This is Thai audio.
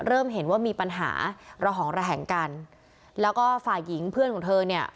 เริ่มเห็นว่ามีปัญหาระหองระแหงกันแล้วก็ฝ่ายหญิงเพื่อนของเธอเนี่ย